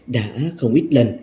đã không ít lần